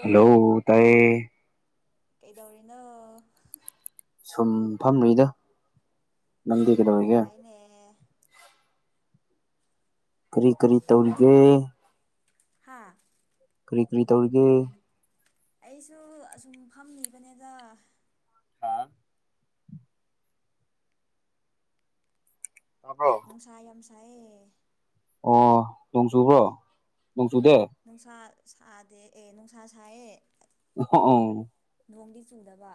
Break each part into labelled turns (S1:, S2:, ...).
S1: Hello ꯇꯥꯏ
S2: ꯀꯩꯗꯧꯔꯤꯅꯣ
S1: ꯁꯨꯝ ꯐꯝꯔꯤꯗ ꯅꯪꯗꯤ ꯀꯩꯗꯧꯔꯤꯒꯦ
S2: ꯅꯨꯡꯉꯥꯏꯅꯦ
S1: ꯀꯔꯤ ꯀꯔꯤ ꯇꯧꯔꯤꯒꯦ
S2: ꯍꯥꯥ
S1: ꯀꯔꯤ ꯀꯔꯤ ꯇꯧꯔꯤꯒꯦ
S2: ꯑꯩꯁꯨ ꯑꯁꯨꯝ ꯐꯝꯂꯤꯕꯅꯤꯗ
S1: ꯇꯥꯕ꯭ꯔꯣ
S2: ꯅꯨꯡꯁꯥ ꯌꯥꯝ ꯁꯥꯏꯌꯦ
S1: ꯑꯣ ꯅꯣꯡ ꯆꯨꯕ꯭ꯔꯣ ꯅꯣꯡ ꯆꯨꯗꯦ
S2: ꯅꯨꯡꯁꯥ ꯁꯥꯗꯦ ꯑꯦ ꯅꯨꯡꯁꯥ ꯁꯥꯏꯌꯦ
S1: ꯍ
S2: ꯅꯣꯡꯗꯤ ꯆꯨꯝꯗꯕ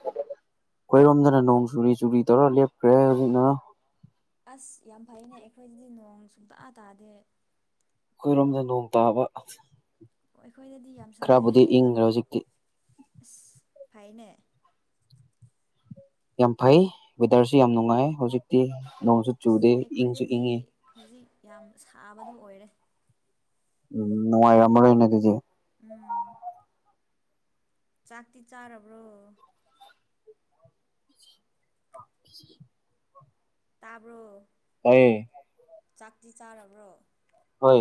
S1: ꯑꯩꯈꯣꯏꯔꯣꯝꯗꯅ ꯅꯣꯡ ꯆꯨꯔꯤ ꯆꯨꯔꯤ ꯇꯧꯔ ꯂꯦꯞꯈ꯭ꯔꯦ ꯍꯧꯖꯤꯛꯅ
S2: ꯑꯁ ꯌꯥꯝ ꯐꯩꯅꯦ ꯑꯩꯈꯣꯏꯗꯗꯤ ꯅꯣꯡ ꯁꯨꯡꯇꯥ ꯇꯥꯗꯦ
S1: ꯑꯩꯈꯣꯏꯔꯣꯝꯗ ꯅꯣꯡ ꯇꯥꯕ
S2: ꯑꯩꯈꯣꯏꯗꯗꯤ ꯌꯥꯝ
S1: ꯈꯔꯕꯨꯗꯤ ꯏꯪꯈ꯭ꯔꯦ ꯍꯧꯖꯤꯛꯇꯤ
S2: ꯐꯥꯏꯅꯦ
S1: ꯌꯥꯝ ꯐꯩ ꯋꯦꯗꯔꯁꯨ ꯌꯥꯝ ꯅꯨꯡꯉꯥꯏ ꯍꯧꯖꯤꯛꯇꯤ ꯅꯣꯡꯁꯨ
S2: ꯑꯁ
S1: ꯆꯨꯗꯦ ꯏꯪꯁꯨ
S2: ꯑꯩꯈꯣꯏꯗꯗꯤ
S1: ꯏꯪꯉꯤ
S2: ꯍꯧꯖꯤꯛ ꯌꯥꯝ ꯁꯥꯕꯗꯣ ꯑꯣꯏꯔꯦ
S1: ꯎꯝ ꯅꯅꯨꯡꯉꯥꯏ ꯌꯥꯝꯔ ꯍ ꯅꯠꯇꯖꯤꯦ
S2: ꯎꯝ ꯆꯥꯛꯇꯤ ꯆꯥꯔꯕ꯭ꯔꯣ
S1: ꯎ
S2: ꯇꯥꯕ꯭ꯔꯣ
S1: ꯇ
S2: ꯆꯥꯛꯇꯤ ꯆꯥꯔꯕ꯭ꯔꯣ
S1: ꯍꯣꯏ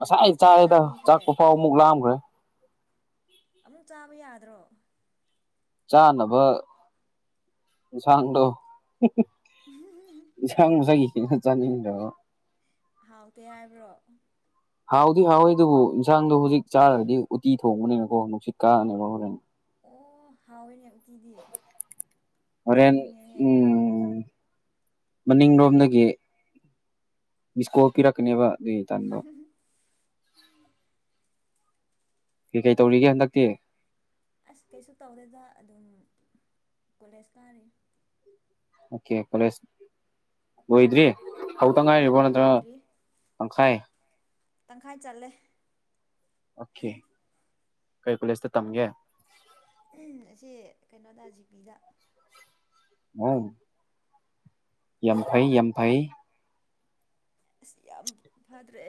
S2: ꯀꯔꯤ
S1: ꯑꯩ
S2: ꯃꯊꯦꯜ
S1: ꯆꯥꯔꯤꯦꯗ
S2: ꯆꯥꯕꯤꯈ꯭ꯔꯦ
S1: ꯆꯥꯛꯄ ꯐꯥꯎ ꯑꯃꯨꯛ ꯂꯥꯑꯝꯈ꯭ꯔꯦ
S2: ꯑꯃꯨꯛ ꯆꯥꯕ ꯌꯥꯗ꯭ꯔꯣ
S1: ꯆꯥꯅꯕ ꯏꯟꯁꯥꯡꯗꯣ ꯏꯟꯁꯥꯡ ꯃꯁꯥꯏꯒꯤ ꯈꯤ ꯆꯥꯅꯤꯡꯗꯣ
S2: ꯍꯥꯎꯇꯦ ꯍꯥꯏꯕ꯭ꯔꯣ
S1: ꯍꯥꯎꯗꯤ ꯍꯥꯎꯋꯦ ꯑꯗꯨꯕꯨ ꯏꯟꯁꯥꯡꯗꯣ ꯍꯧꯖꯤꯛ ꯆꯥꯔꯗꯤ ꯎꯇꯤ ꯊꯣꯡꯕꯅꯤꯅꯀꯣ ꯅꯨꯡꯁꯤꯠ ꯀꯥꯑꯅꯦꯕ ꯍꯣꯔꯦꯟ
S2: ꯑꯣ ꯍꯥꯎꯅꯦ
S1: ꯍꯣꯔꯦꯟ
S2: ꯆꯥꯅꯤꯡꯉꯦꯍꯦ
S1: ꯎꯝ ꯃꯅꯤꯡꯂꯣꯝꯗꯒꯤ ꯃꯤꯁꯀꯣꯜ ꯄꯤꯔꯛꯀꯅꯦꯕ ꯇꯗꯣ ꯀꯩ ꯀꯩ ꯇꯧꯔꯤꯒꯦ ꯍꯟꯗꯛꯇꯤ
S2: ꯑꯁ ꯀꯩꯁꯨ ꯇꯧꯔꯦꯗ ꯑꯗꯨꯝ ꯀꯣꯂꯦꯖ ꯀꯥꯔꯤ
S1: ꯑꯣꯀꯦ ꯀꯂꯁ ꯍꯣꯏꯗ꯭ꯔꯤ ꯍꯧ ꯇꯪ ꯉꯥꯏꯔꯤꯕꯣ
S2: ꯎꯝ
S1: ꯅꯠꯇ꯭ꯔ
S2: ꯂꯣꯏꯗ꯭ꯔꯤ
S1: ꯇꯪꯈꯥꯏ
S2: ꯇꯪꯈꯥꯏ ꯆꯠꯂꯦ
S1: ꯑꯣꯀꯦ ꯀꯩ ꯀꯣꯂꯦꯖꯇ ꯇꯝꯒꯦ
S2: ꯑꯁꯤ ꯀꯩꯅꯣꯗ ꯖꯤꯄꯤꯗ
S1: ꯎ ꯌꯥꯡ ꯐꯩ ꯌꯥꯝ ꯐꯩ
S2: ꯑꯁ ꯌꯥꯝ ꯐꯗ꯭ꯔꯦ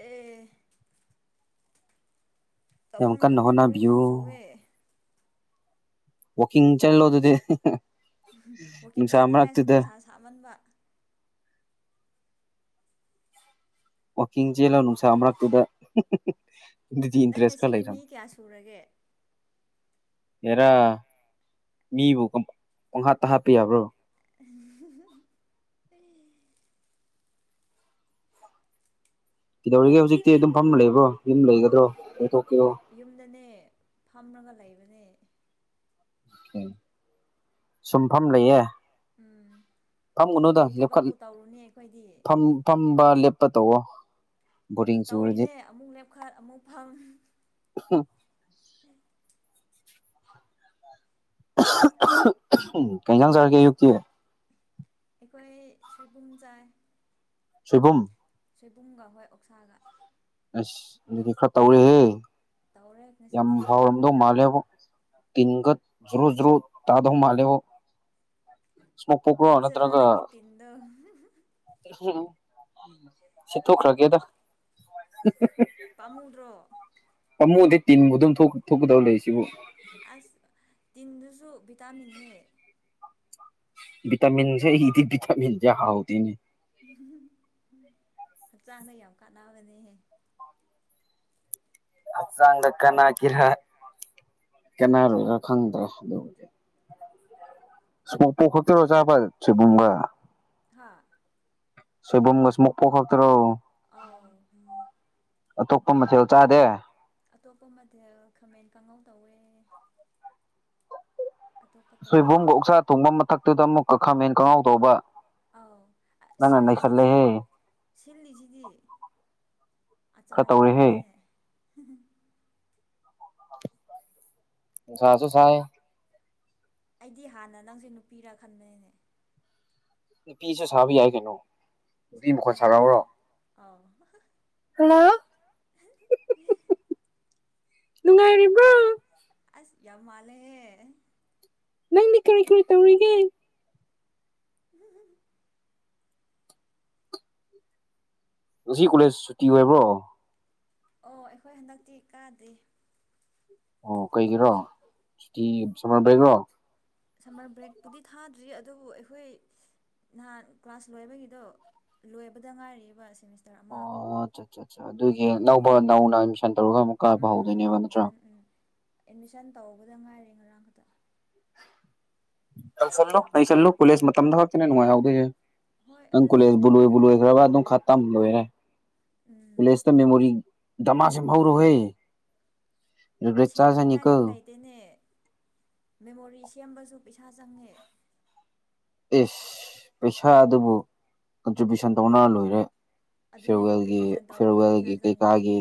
S1: ꯌꯥꯝ
S2: ꯇꯧꯐꯝ
S1: ꯀꯟꯅ
S2: ꯈꯪꯗꯦ ꯕꯣꯔꯤꯡ
S1: ꯍꯣꯠꯅꯕꯤꯌꯨ
S2: ꯌꯥꯝ ꯆꯨꯑꯦ
S1: ꯋꯥꯀꯤꯡ ꯆꯠꯂꯣꯗꯗꯤ
S2: ꯋꯥꯛꯀꯤꯡ ꯆꯠꯂꯤꯉꯥꯏꯁꯨ ꯅꯨꯡꯁꯥ ꯁꯥꯃꯟꯕ
S1: ꯋꯥꯛꯀꯤꯡ ꯆꯦꯜꯂ ꯅꯨꯡꯁꯥ ꯃꯔꯛꯇꯨꯗ ꯑꯗꯨꯗꯤ
S2: ꯅꯪ
S1: ꯏꯟꯇꯔꯦꯁ ꯈꯔ
S2: ꯉꯁꯤꯒꯤ ꯃꯤ ꯀꯌꯥ ꯁꯨꯔꯒꯦ
S1: ꯌꯥꯔꯥ ꯃꯤꯕꯨ ꯄꯣꯡꯍꯥ ꯇ ꯍꯥꯞꯄ ꯌꯥꯕ꯭ꯔꯣ
S2: ꯑꯦ
S1: ꯀꯩꯗꯧꯔꯤꯒꯦ ꯍꯧꯖꯤꯛꯇꯤ ꯑꯗꯨꯝ ꯐꯝꯅ ꯂꯩꯕ꯭ꯔꯣ ꯌꯨꯝ ꯂꯩꯒꯗ꯭ꯔꯣ
S2: ꯌꯨꯝꯗꯅꯦ ꯐꯝꯃꯒ ꯂꯩꯕꯅꯦ
S1: ꯁꯨꯝꯐꯝ ꯂꯩꯌꯦ
S2: ꯎꯝ
S1: ꯐꯝꯒꯅꯨꯗ
S2: ꯀꯔꯤ
S1: ꯂꯦꯞꯈꯠ
S2: ꯊꯕꯛꯄꯨ ꯇꯧꯔꯨꯅꯤ ꯑꯩꯈꯣꯏꯗꯤ
S1: ꯐꯝꯕ ꯄ ꯇꯑꯣꯣ
S2: ꯇꯧꯔꯤꯅꯦ ꯑꯃꯨꯛ ꯂꯦꯞꯈꯠ ꯑꯃꯨꯛ ꯐꯪ
S1: ꯀꯩꯅ ꯌꯥꯥꯡ ꯁꯥꯔ ꯀꯦ ꯌꯨꯛꯇ
S2: ꯑꯩꯈꯣꯏ ꯁꯣꯏꯕꯨꯝ ꯆꯥꯏ
S1: ꯁꯨꯕꯝ
S2: ꯁꯣꯏꯕꯨꯝꯒ ꯍꯣꯏ ꯑꯣꯛꯁꯥꯒ
S1: ꯑꯁ ꯑꯗꯨꯗꯤ ꯈꯔ ꯇꯧꯔꯦꯍꯦ
S2: ꯇꯧꯔꯦ
S1: ꯌꯥꯝ
S2: ꯉꯁꯤꯗꯤ
S1: ꯐꯥꯎꯔꯝꯗꯧ ꯃꯥꯜꯂꯦꯕ ꯇꯒꯠ ꯖꯔꯣ ꯖꯔꯣ ꯇꯥꯗꯣ ꯃꯥꯂꯦꯣ ꯁꯃꯣ ꯄꯣꯣ
S2: ꯌꯣꯠꯁꯤꯜꯂꯣ
S1: ꯅꯠꯇ꯭ꯔꯒ
S2: ꯅꯪꯒꯤ ꯇꯤꯟꯗꯣ
S1: ꯁꯤ ꯊ ꯈꯔꯒꯦꯗ
S2: ꯄꯃꯨꯗ꯭ꯔꯣ
S1: ꯄꯥꯃꯨꯗꯤꯩ ꯇꯤꯟꯕꯨ ꯑꯗꯨꯝ ꯊꯣꯛꯀꯗꯕ ꯂꯩꯔꯤꯁꯤꯕꯨ
S2: ꯑꯁ ꯇꯤꯟꯗꯨꯁꯨ ꯚꯤꯇꯥꯃꯤꯟꯅꯦ
S1: ꯚꯇꯝꯤꯟꯁꯦ ꯏꯗꯤ ꯚꯇꯝꯤꯟꯁꯦ ꯍꯥꯎꯗꯤꯅꯤ
S2: ꯍꯛꯆꯥꯡꯗ ꯌꯥꯝ ꯀꯥꯟꯅꯕꯅꯦꯍꯦ
S1: ꯑꯛꯁꯥ ꯂ ꯀꯅꯥ ꯍꯥ ꯀꯔ ꯀꯅꯥꯔꯔ ꯈꯪꯗ꯭ꯔꯦ ꯑꯗꯨꯕꯨꯗꯤ ꯁꯃꯣꯛ ꯄꯣꯔꯀ ꯈꯛꯇꯔꯣ ꯆꯥꯕ ꯁꯦꯕꯨꯡꯒ
S2: ꯍꯥꯥ
S1: ꯁꯣꯏꯕꯝꯒꯁ ꯃ ꯀꯣꯈ ꯇꯔꯣ
S2: ꯑꯝ
S1: ꯇꯣꯄ ꯃꯆꯥ
S2: ꯑꯇꯣꯞꯄ ꯑꯃ ꯈꯃꯦꯟ ꯀꯥꯡꯉꯧ ꯇꯧꯋꯦ ꯑꯇꯣꯞꯄ ꯇꯧꯗ꯭ꯔꯦ
S1: ꯁꯣꯏꯕꯨꯝꯒ ꯎꯛꯁꯥ ꯊꯣꯡꯕ ꯃꯊꯛꯇꯨꯗ ꯑꯃꯨꯛꯀ ꯈꯥꯝꯃꯦꯟ ꯈꯪꯍꯥꯎ ꯇꯧꯕ
S2: ꯑꯧ
S1: ꯂ ꯅ ꯅ
S2: ꯁꯤꯜꯂꯤꯁꯤꯗꯤ
S1: ꯈꯜꯂꯍꯦ
S2: ꯁꯤꯜꯂꯤꯁꯤꯗꯤ
S1: ꯈꯔ
S2: ꯑꯆꯥꯔ
S1: ꯇꯧꯔꯦꯍꯦ
S2: ꯁꯥꯕꯅꯤꯅꯦ
S1: ꯁꯥꯁꯨꯁ
S2: ꯑꯩꯗꯤ ꯍꯥꯟꯅ ꯅꯪꯁꯦ ꯅꯨꯄꯤꯔ ꯈꯟꯕꯅꯤꯅꯦ
S1: ꯅꯨ ꯄꯤꯁꯨꯦ ꯁꯥꯥꯕꯤ ꯌꯥꯏ ꯀꯩꯅꯣ ꯅꯨꯄꯤ ꯃꯈꯣꯟ
S2: ꯁꯥꯎꯅꯦ ꯑꯗꯨꯗꯤ
S1: ꯁꯥꯔꯛꯎꯔꯣ
S2: ꯑ [inaudible]
S1: ꯅꯨꯡꯉꯥꯏꯔꯤꯕ꯭ꯔꯣ
S2: ꯌꯥꯝ ꯃꯥꯂꯦ
S1: ꯅꯪꯗꯤ ꯀꯔꯤ ꯀꯔꯤ ꯇꯧꯔꯤꯒ ꯉꯁꯤ ꯀꯣꯂꯦꯖ ꯁꯨꯇꯤ ꯑꯣꯏꯕ꯭ꯔꯣ
S2: ꯑꯣ ꯑꯩꯈꯣꯏ ꯍꯟꯗꯛꯇꯤ ꯀꯥꯗꯦ
S1: ꯑꯣ ꯀꯩꯒꯤꯔꯣ ꯁꯇꯤ ꯁꯃꯔꯕꯩ꯭ꯔꯣ꯫
S2: ꯁꯝꯃꯔ ꯕ꯭ꯔꯦꯛꯄꯨꯗꯤ ꯊꯥꯗ꯭ꯔꯤ ꯑꯗꯨꯕꯨ ꯑꯩꯈꯣꯏ꯫ ꯅꯍꯥꯟ ꯀ꯭ꯂꯥꯁ ꯂꯣꯏꯕꯒꯤꯗꯣ ꯂꯣꯏꯕꯗ ꯉꯥꯏꯔꯤꯕ ꯁꯦꯃꯤꯁꯇꯔ ꯑꯃ꯫
S1: ꯑꯣ ꯑꯆꯥ ꯑꯠꯆꯥ ꯑꯠꯆꯥ ꯑꯗꯨꯒꯤ ꯅꯧꯕ ꯅꯧꯅ ꯑꯦꯗꯃꯤꯁꯟ ꯇꯧꯔꯒ ꯑꯃꯨꯛ ꯀꯥꯕ
S2: ꯎꯝ
S1: ꯍꯧꯗꯣꯏꯅꯦꯕ ꯅꯠꯇ꯭ꯔꯥ꯫
S2: ꯑꯦꯠꯃꯤꯁꯟ ꯎꯝ ꯑꯦꯠꯃꯤꯁꯟ ꯇꯧꯕꯗ ꯉꯥꯏꯔꯦ ꯉꯔꯥꯡ ꯈꯛꯇ꯫
S1: ꯆꯜꯂꯣ ꯅ ꯆꯜꯂꯣ ꯀꯣꯂꯁ ꯃꯇꯝꯗ ꯈꯛꯇꯅꯦ ꯅꯨꯡꯉꯥꯏꯍꯧꯗꯣꯏꯁꯦ
S2: ꯍꯣꯏ ꯑꯗꯨꯅꯦ
S1: ꯑꯪꯀꯨꯂꯦꯁ ꯄꯨ ꯂꯣꯏꯄꯨ ꯂꯣꯏꯈꯔꯕ ꯑꯗꯨ ꯈꯥꯇꯝ ꯂꯣꯏꯔꯦ
S2: ꯎꯝ
S1: ꯄ꯭ꯂꯦꯁꯇ ꯃꯦꯃꯣꯔꯤ ꯗꯃꯥ ꯁꯦꯝ ꯍꯧꯔꯍꯦ
S2: ꯁꯦꯝꯅꯤꯡꯉꯥꯏꯁꯨ ꯂꯩꯇꯦꯅꯦ ꯃꯦꯃꯣꯔꯤ ꯁꯦꯝꯕꯁꯨ ꯄꯩꯁꯥ ꯆꯪꯉꯦ
S1: ꯌꯦꯁ ꯄꯩꯁꯥ ꯑꯗꯨꯕꯨ ꯀꯟꯇ꯭ꯔꯤꯕ꯭ꯌꯨꯁꯟ ꯇꯧꯅ ꯂꯣꯏꯔꯦ
S2: ꯑꯗꯨꯅꯦ
S1: ꯐꯦꯔꯜꯒꯤ
S2: ꯀꯟꯇ꯭ꯔꯤꯕ꯭ꯌꯨꯁꯟ ꯇꯧꯕꯗ ꯄꯩꯁꯥ
S1: ꯐꯦꯔꯜꯒꯤ ꯀꯩ ꯀꯒꯤ
S2: ꯆꯪꯕꯅꯤꯅꯦ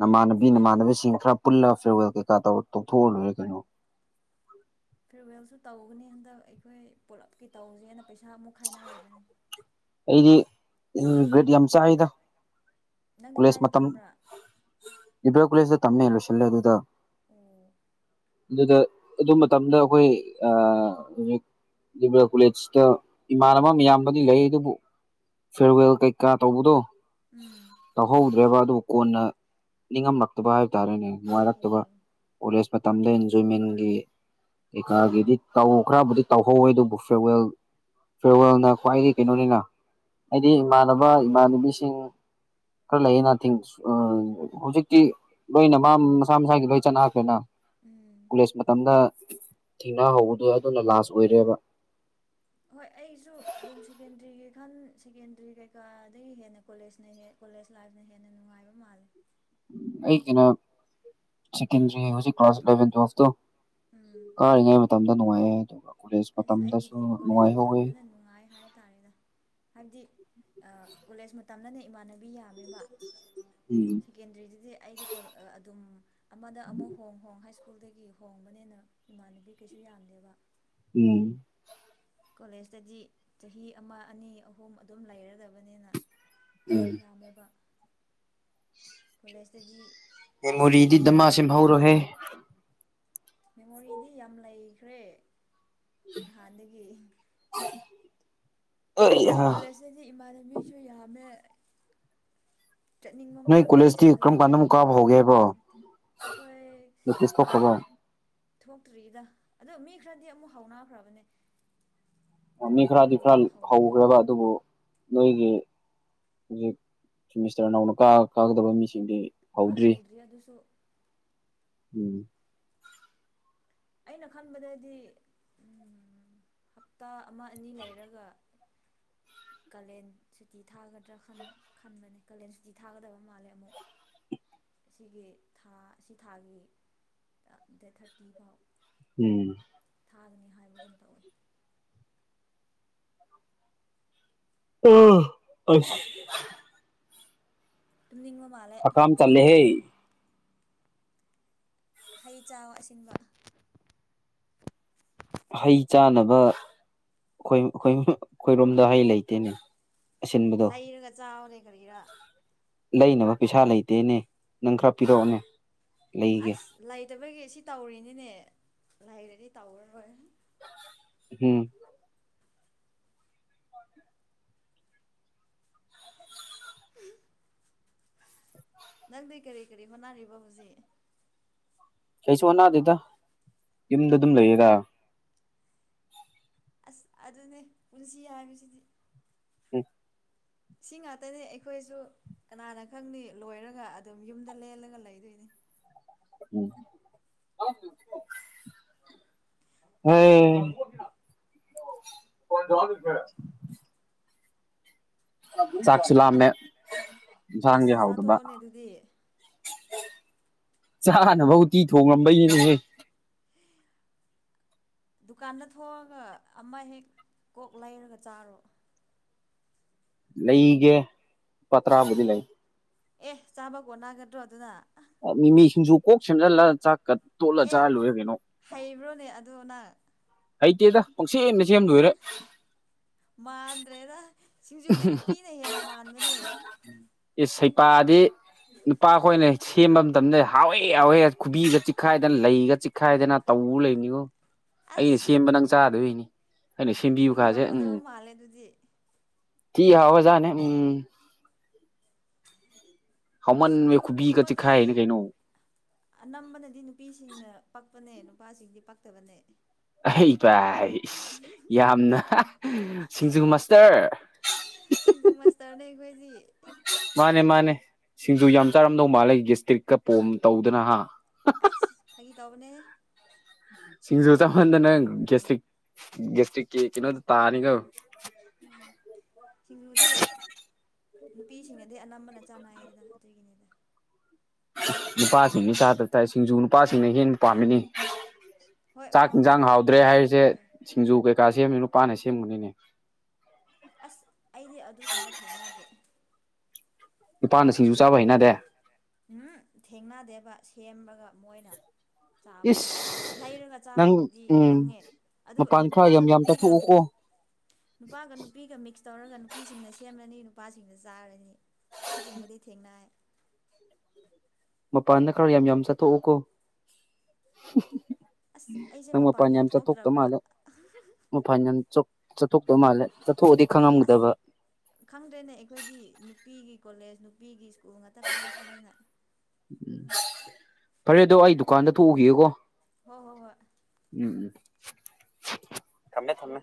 S1: ꯅꯃꯅ ꯃꯤ ꯅꯃꯥꯟꯅꯕꯁꯤꯡ ꯈꯔ ꯄꯨꯜꯂ ꯐꯤꯔꯋꯦꯜ ꯀꯩꯀꯥ ꯇꯧꯊꯣꯛꯑ ꯂꯣꯏꯔꯦ ꯀꯩꯅꯣ
S2: ꯐꯤꯔꯋꯦꯜꯁꯨ ꯇꯧꯒꯅꯤ ꯍꯟꯗꯛ ꯑꯩꯈꯣꯏ ꯄꯨꯂꯞꯀꯤ ꯇꯧꯁꯦꯅ ꯄꯩꯁꯥ ꯑꯃꯨꯛ ꯈꯥꯏꯅꯔꯤꯕꯅꯤ
S1: ꯒꯗꯤ ꯑꯦꯝ ꯆꯥꯍꯥꯏꯗ
S2: ꯅꯪꯗꯤ ꯀꯥꯏꯗ ꯇꯝꯕ꯭ꯔꯥ
S1: ꯏꯕ꯭ꯔꯣ ꯀꯂꯦꯁꯗ ꯇꯝꯃꯦ ꯂꯣꯏꯁꯤꯜꯂ ꯑꯗꯨꯗ
S2: ꯑꯣ
S1: ꯑꯗꯨꯗ ꯑꯗꯨ ꯃꯇꯝꯗ ꯑꯩꯈꯣꯏ ꯑꯥ ꯍꯧꯖꯤꯛ ꯏꯕ꯭ꯔꯥ ꯀꯣꯂꯦꯖꯇ ꯏꯃꯥꯟꯅꯕ ꯃꯌꯥꯝꯕꯗꯤ ꯂꯩ ꯑꯗꯨꯕꯨ ꯐꯦꯔꯋꯦꯜ ꯀꯩꯀꯥ ꯇꯧꯕꯗꯣ
S2: ꯎꯝ
S1: ꯇꯧꯍꯧꯗ꯭ꯔꯦꯕ ꯑꯗꯨꯕꯨ ꯀꯣꯟꯅ ꯅꯤꯡꯉꯝꯂꯛꯇꯕ ꯍꯥꯏꯕ ꯇꯥꯔꯦꯅꯦ ꯅꯨꯡꯉꯥꯏꯔꯛꯇꯕ
S2: ꯑꯣ
S1: ꯀꯣꯂꯦꯖ ꯃꯇꯝꯗ ꯏꯟꯖꯣꯏꯃꯦꯟꯒꯤ ꯀꯩꯀꯥꯒꯤꯗꯤ ꯇꯧ ꯈꯔꯕꯨꯗꯤ ꯇꯧꯍꯧꯋꯦ ꯑꯗꯨꯕꯨ ꯐꯤꯔꯋꯦꯜ ꯐꯦꯜꯋꯥꯜꯅ ꯈ꯭ꯋꯥꯏꯗꯒꯤ ꯀꯩꯅꯣꯅꯤꯅ ꯍꯥꯏꯗꯤ
S2: ꯎꯝ
S1: ꯏꯃꯥꯟꯅꯕ ꯏꯃꯥꯟꯅꯕꯤꯁꯤꯡ ꯈꯔ ꯂꯩꯌꯦꯅ ꯍꯧꯖꯤꯛꯇꯤ ꯂꯣꯏꯅ ꯃꯁꯥ ꯃꯁꯥꯒꯤ ꯂꯣꯏ ꯆꯠꯅꯈ꯭ꯔꯦꯅ
S2: ꯎꯝ
S1: ꯀꯣꯂꯦꯖ ꯃꯇꯝꯗ ꯊꯦꯡꯅꯍꯧꯕꯗꯨ ꯑꯗꯨꯅ ꯂꯥꯁ ꯑꯣꯏꯔꯦꯕ
S2: ꯍꯣꯏ ꯑꯩꯁꯨ ꯑꯗꯨꯝ ꯁꯦꯀꯦꯟꯗꯔꯤꯒꯤ ꯈꯟ ꯁꯦꯀꯦꯟꯗ꯭ꯔꯤ ꯀꯩꯀꯥꯗꯒꯤ ꯍꯦꯟꯅ ꯀꯣꯂꯦꯖꯅ ꯍꯦꯛ ꯀꯣꯂꯦꯖ ꯂꯥꯏꯐꯅ ꯍꯦꯟꯅ ꯅꯨꯡꯉꯥꯏꯕ ꯃꯥꯂꯦ꯫
S1: ꯑꯩꯒꯤꯅ ꯁꯦꯀꯦꯟꯗꯔꯤ ꯍꯧꯖꯤꯛ ꯀ꯭ꯂꯥꯁ ꯏꯂꯚꯦꯟ ꯇꯨꯋꯇꯣ
S2: ꯎꯝ
S1: ꯀꯥꯔꯤꯉꯩ ꯃꯇꯝꯗ ꯅꯨꯡꯉꯥꯏꯑꯦ ꯑꯗꯨꯒ ꯀꯣꯂꯦꯖ
S2: ꯑꯁ
S1: ꯃꯇꯝꯗꯁꯨ
S2: ꯑꯩꯒꯤꯗꯤ ꯀꯣꯂꯦꯖ
S1: ꯅꯨꯡꯉꯥꯏꯍꯧꯋꯦ
S2: ꯃꯇꯝꯗꯅ ꯅꯨꯡꯉꯥꯏ ꯍꯥꯏꯕ ꯇꯥꯔꯦꯗ ꯍꯥꯏꯕꯗꯤ ꯀꯣꯂꯦꯖ ꯃꯇꯝꯗꯅꯦ ꯏꯃꯥꯟꯅꯕꯤ ꯌꯥꯝꯃꯦꯕ
S1: ꯎꯝ
S2: ꯁꯦꯀꯦꯟꯗꯔꯤꯗꯨꯗꯤ ꯑꯩꯗꯤ ꯑꯗꯨꯝ ꯑꯃꯗ ꯑꯃꯨꯛ ꯍꯣꯡ ꯍꯣꯡ ꯍꯥꯏ ꯁ꯭ꯀꯨꯜ ꯁ꯭ꯀꯨꯜꯗꯒꯤ ꯍꯣꯡꯕꯅꯤꯅ ꯏꯃꯥꯟꯅꯕꯤ ꯀꯩꯁꯨ ꯌꯥꯝꯗꯦꯕ
S1: ꯎꯝ
S2: ꯀꯣꯂꯦꯖꯇꯗꯤ ꯆꯍꯤ ꯑꯃ ꯑꯅꯤ ꯑꯍꯨꯝ ꯑꯗꯨꯝ ꯂꯩꯔꯗꯕꯅꯤꯅ꯫
S1: ꯎꯝ
S2: ꯌꯥꯝꯃꯦꯕ꯫ ꯀꯣꯂꯦꯖꯇꯗꯤ꯫
S1: ꯃ ꯃꯣꯔꯤꯗꯤ ꯗꯃ ꯁꯦꯝ ꯍꯧꯎꯔꯣꯍꯦ
S2: ꯃꯦꯃꯣꯔꯤꯗꯤ ꯌꯥꯝ ꯂꯩꯈ꯭ꯔꯦ ꯅꯍꯥꯟꯗꯒꯤ
S1: ꯑꯩꯍꯥ
S2: ꯀꯣꯂꯦꯖꯇꯗꯤ ꯏꯃꯥꯟꯅꯕꯤꯁꯨ ꯌꯥꯝꯃꯦ ꯆꯠꯅꯤꯡꯕ
S1: ꯅꯣꯏ
S2: ꯃꯇꯝꯗ
S1: ꯀꯣꯂꯦꯖꯇꯤ
S2: ꯆꯠꯂꯦ ꯆꯠꯅꯤꯡꯗꯕ ꯃꯇꯝꯗ ꯆꯠꯇꯦ ꯑꯩꯈꯣꯏ
S1: ꯌꯇꯦꯁ ꯊꯣꯛ ꯈꯔꯕꯣ
S2: ꯊꯣꯛꯇ꯭ꯔꯤꯗ ꯑꯗ ꯃꯤ ꯈꯔꯗꯤ ꯑꯃꯨꯛ ꯍꯧꯎꯅꯈ꯭ꯔꯕꯅꯦ
S1: ꯃꯤ ꯈꯔꯗꯤ ꯈꯔ ꯍꯧꯈ꯭ꯔꯦꯕ ꯑꯗꯨꯕꯨ ꯅꯣꯏꯒꯤ ꯍꯧꯖꯤꯛ ꯁꯤꯃꯤꯁꯇꯔ ꯅꯧꯅ ꯀꯥ ꯀꯥꯒꯗꯕ ꯃꯤꯁꯤꯡꯗꯤ
S2: ꯑ ꯍꯧꯗ꯭ꯔꯤ ꯑꯗꯨꯁꯨ
S1: ꯎꯝ
S2: ꯑꯩꯅ ꯈꯟꯕꯗꯗꯤ ꯍꯞꯇꯥ ꯑꯃ ꯑꯅꯤ ꯂꯩꯔꯒ ꯀꯥꯂꯦꯟ ꯁꯨꯇꯤ ꯊꯥꯒꯗ꯭ꯔꯥ ꯈꯟꯕꯅꯦ ꯀꯥꯂꯦꯟ ꯁꯨꯇꯤ ꯊꯥꯒꯗꯕ ꯃꯥꯜꯂꯦ ꯑꯃꯨꯛ ꯁꯤꯒꯤ ꯊꯥ ꯑꯁꯤ ꯊꯥꯒꯤ ꯗꯦꯠ ꯊꯥꯔꯇꯤ ꯐꯥꯎ
S1: ꯎꯝ
S2: ꯊꯥꯒꯅꯤ ꯍꯥꯏꯕꯒꯨꯝ ꯇꯧꯋꯤ
S1: ꯑ
S2: ꯇꯨꯝꯅꯤꯡꯕ ꯃꯥꯜꯂꯦ
S1: ꯑ ꯀꯝ ꯆꯂꯦꯍꯦ
S2: ꯍꯩ ꯆꯥꯕ ꯑꯁꯤꯟꯕ
S1: ꯍꯩ ꯆꯥꯅꯕ ꯑꯩꯈꯣꯏ ꯑꯩꯈꯣꯏ ꯑꯩꯈꯣꯏꯔꯣꯝꯗ ꯍꯩ ꯂꯩꯇꯦꯅꯦ ꯑꯁꯤꯟꯕꯗꯣ
S2: ꯂꯩꯔꯒ ꯆꯥꯎꯔꯦ ꯀꯔꯤꯔꯥ
S1: ꯂꯩꯅꯕ ꯄꯩꯁꯥ ꯂꯩꯇꯦꯅꯦ ꯅꯪ ꯈꯔ ꯄꯤꯔꯛꯑꯣꯅꯦ ꯂꯩꯒꯦ
S2: ꯑꯁ ꯂꯩꯇꯕꯒꯤ ꯁꯤ ꯇꯧꯔꯤꯅꯤꯅꯦ ꯂꯩꯔꯗꯤ ꯇꯧꯔꯔꯣꯏ
S1: ꯎꯝ
S2: ꯅꯪꯗꯤ ꯀꯔꯤ ꯀꯔꯤ ꯃꯅꯥꯔꯤꯕ ꯍꯧꯖꯤꯛ
S1: ꯀꯩꯁꯨ ꯑꯅꯥꯗꯦꯗ ꯌꯨꯝꯗ ꯑꯗꯨꯝ ꯂꯩꯌꯦꯒ
S2: ꯑꯁ ꯑꯗꯨꯅꯦ ꯄꯨꯟꯁꯤ ꯍꯥꯏꯕꯁꯤꯗꯤ
S1: ꯎꯝ
S2: ꯁꯤ ꯉꯥꯛꯇꯅꯤ ꯑꯩꯈꯣꯏꯁꯨ ꯀꯅꯥꯅ ꯈꯪꯅꯤ ꯂꯣꯏꯔꯒ ꯑꯗꯨꯝ ꯌꯨꯝꯗ ꯂꯦꯜꯂꯒ ꯂꯩꯗꯣꯏꯅꯤ
S1: ꯎꯝ ꯍ ꯑꯣ ꯋꯥ ꯃꯦꯗꯥ ꯆꯥꯛꯁꯨ ꯂꯑꯝꯃꯦ
S2: ꯑꯁ ꯆꯥꯊꯣꯛꯑꯣꯅꯦ ꯑꯗꯨꯗꯤ
S1: ꯆꯥꯅꯕ ꯎꯇꯤ ꯊꯣꯡꯂꯝꯕꯩꯅꯦꯅꯦꯁꯦ
S2: ꯗꯨꯀꯥꯟꯗ ꯊꯣꯛꯣꯡꯑꯒ ꯑꯃ ꯍꯦꯛ ꯀꯣꯛ ꯂꯩꯔꯒ ꯆꯥꯔꯣ
S1: ꯂꯩꯒꯦ ꯂꯨꯄꯥ ꯇꯔꯥꯕꯨꯗꯤ ꯂꯩ
S2: ꯑꯦ ꯆꯥꯕ ꯀꯣ ꯅꯥꯒꯗ꯭ꯔꯣ ꯑꯗꯨꯅ
S1: ꯃꯤꯃꯤ ꯁꯤꯡꯖ ꯀꯣꯛ ꯁꯦꯝꯖꯤꯜꯂꯒ ꯆꯥꯛꯀ ꯇꯣꯠꯂ
S2: ꯑꯦ
S1: ꯆꯥꯔ ꯂꯣꯏꯔꯦ ꯀꯩꯅꯣ
S2: ꯍꯩꯕ꯭ꯔꯣꯅꯦ ꯑꯗꯨꯗ ꯅꯪ
S1: ꯍꯩꯇꯦꯗ ꯄꯪꯁꯟꯅ ꯁꯦꯝ ꯂꯣꯏꯔꯦ
S2: ꯃꯥꯟꯗ꯭ꯔꯦꯗ ꯁꯤꯡꯖꯨꯗꯤ ꯅꯨꯄꯤꯅ ꯍꯦꯟꯅ ꯃꯥꯟꯕ
S1: ꯁꯩꯄꯥꯗꯤ ꯅꯨꯄꯥꯈꯣꯏꯅ ꯁꯦꯝꯕ ꯃꯇꯝꯗ ꯍꯥꯎꯋꯦ ꯍꯥꯎꯋꯦ ꯈꯨꯕꯤꯒ ꯆꯤꯛꯈꯥꯏꯗꯅ ꯂꯩꯒ ꯠ ꯈꯥꯏꯗꯅ ꯇꯧ ꯂꯩꯅꯤꯉꯣ ꯑꯩꯅ
S2: ꯑꯁ
S1: ꯁꯦꯝꯕ ꯅꯪ ꯆꯥꯗꯣꯏꯅꯤ ꯑꯩꯅ ꯁꯦꯝꯕꯤꯕ ꯀꯥꯁꯦ ꯎꯝ
S2: ꯍꯥꯎꯔꯝꯒꯗꯕ ꯃꯥꯜꯂꯦ ꯑꯗꯨꯗꯤ
S1: ꯊꯤ ꯑꯋꯥꯖꯥꯅꯦ ꯎꯝ ꯍꯥꯎꯃꯟꯕ ꯈꯨꯕꯤꯒ
S2: ꯁꯤꯡꯖꯨꯒꯨꯝꯕꯗꯤ
S1: ꯆꯤꯛꯈꯥꯏꯔꯤꯅꯤ ꯀꯩꯅꯣ
S2: ꯑꯅꯝꯕꯅꯗꯤ ꯅꯨꯄꯤꯁꯤꯡꯅ ꯄꯛꯄꯅꯦ ꯅꯨꯄꯥꯁꯤꯡꯗꯤ ꯄꯛꯇꯕꯅꯦ
S1: ꯍ ꯄ ꯍꯥꯏ ꯏꯁ ꯌꯥꯝꯅ ꯁꯤꯡꯖꯨ ꯃꯥꯁꯇꯔ
S2: ꯁꯤꯡꯖꯨ ꯃꯥꯁꯇꯔꯅꯦ ꯑꯩꯈꯣꯏꯗꯤ
S1: ꯃꯥꯅꯦ ꯃꯥꯅꯦ ꯁꯤꯡꯖꯨ ꯌꯥꯝ ꯆꯥꯔꯝꯗꯧ ꯃꯥꯜꯂꯦ ꯒꯁꯇ꯭ꯔꯤꯛꯀ ꯄꯣꯝ ꯇꯧꯗꯅ ꯍꯥ
S2: ꯑꯁ ꯐꯥꯩ ꯇꯧꯕꯅꯦ
S1: ꯁꯤꯡꯖꯨ ꯆꯍꯟꯗꯅꯪ ꯒꯁꯇ꯭ꯔꯤꯛ ꯒꯦꯁꯇ꯭ꯔꯤꯛꯀꯤ ꯀꯩꯅꯣꯗ ꯇꯥꯔꯅꯤꯒ
S2: ꯎꯝ ꯁꯤꯡꯎꯨꯗꯤ ꯅꯨꯄꯤꯁꯤꯡꯅ ꯑꯗꯩ ꯑꯅꯝꯕꯅ ꯆꯥꯟ ꯅꯥꯏꯌꯦꯗꯅ ꯑꯗꯨꯒꯤꯅꯤꯗ
S1: ꯅꯨꯄꯥꯁꯤꯡꯅꯤ ꯆꯥꯗ ꯇꯥꯏ ꯁꯤꯡꯖꯨ ꯅꯨꯄꯥꯁꯤꯡꯅ ꯍꯦꯟꯅ ꯄꯥꯝꯃꯤꯅꯤ
S2: ꯍꯣꯏ
S1: ꯆꯥꯛ
S2: ꯄꯥꯝꯕꯁꯨ
S1: ꯌꯦꯟꯁꯥꯡ
S2: ꯂꯩ
S1: ꯍꯥꯎꯗ꯭ꯔꯦ ꯍꯥꯏꯔꯤꯁꯦ
S2: ꯄꯥꯝꯗꯕꯁꯨ ꯂꯩ
S1: ꯁꯤꯡꯖꯨ ꯀꯩꯀꯥ ꯁꯦꯝꯃꯤ ꯅꯨꯄꯥꯅ ꯁꯦꯝꯕꯅꯤꯅꯦ
S2: ꯑꯁ ꯑꯩꯗꯤ ꯑꯗꯨꯒꯨꯝꯕ ꯊꯦꯡꯅꯗꯦ
S1: ꯏꯄꯥꯅ ꯁꯨ ꯆꯥꯕ ꯍꯩꯅꯗꯦ
S2: ꯎꯝ ꯊꯦꯡꯅꯗꯦꯕ ꯁꯦꯝꯕꯒ ꯃꯣꯏꯅ ꯆꯥꯕꯗꯣ
S1: ꯏꯁ
S2: ꯂꯩꯔꯒ
S1: ꯅꯪ
S2: ꯆꯥꯕꯕꯨꯗꯤ
S1: ꯎꯝ
S2: ꯈꯪꯉꯦ ꯑꯗꯨ
S1: ꯃꯄꯥꯟ ꯈꯔ
S2: ꯅꯨꯄꯥꯒ
S1: ꯌꯥꯝ ꯌꯥꯝ
S2: ꯅꯨꯄꯤꯒ
S1: ꯆꯠꯊꯣꯛꯎꯀꯣ
S2: ꯅꯨꯄꯥꯒ ꯅꯨꯄꯤꯒ ꯃꯤꯛꯁ ꯇꯧꯔꯒ ꯅꯨꯄꯤꯁꯤꯡꯅ ꯁꯦꯝꯂꯅꯤ ꯅꯨꯄꯥꯁꯤꯡꯅ ꯆꯥꯔꯅꯤ ꯁꯤꯒꯨꯝꯕꯗꯤ ꯊꯦꯡꯅꯏ
S1: ꯃꯄꯥꯟꯗ ꯈꯔ ꯌꯥꯝ ꯌꯥꯝ ꯆꯠꯊꯣꯛꯎ ꯀꯣ
S2: ꯑꯁ ꯑꯩꯁꯦ
S1: ꯅꯪ
S2: ꯃꯄꯥꯟ ꯌꯥꯝ
S1: ꯃꯄꯥꯥꯟꯟꯆꯥ ꯊ ꯊꯣꯛꯣꯛꯛꯇ
S2: ꯊꯣꯛꯇ꯭ꯔꯕ꯭ꯔꯥ
S1: ꯃꯥꯂ ꯃ ꯐꯥꯟ ꯆ ꯆꯠꯊꯄ ꯃꯥꯂꯦ ꯆꯠ
S2: ꯑꯁ ꯈꯪꯗ꯭ꯔꯦꯅꯦ ꯑꯩꯈꯣꯏꯗꯤ ꯅꯨꯄꯤꯒꯤ ꯀꯣꯂꯦꯖ ꯅꯨꯄꯤꯒꯤ ꯁ꯭ꯀꯨꯜ ꯉꯥꯛꯇ ꯀꯥꯔꯛꯄꯅꯤꯅ
S1: ꯐꯔꯦ ꯑꯗꯣ ꯑꯩ ꯗꯨꯀꯥꯟꯗ ꯊꯣꯛꯎꯒꯦꯀꯣ
S2: ꯍꯣꯏ ꯍꯣꯏ ꯍꯣꯏ
S1: ꯊꯝꯃꯦ ꯊꯝꯃꯦ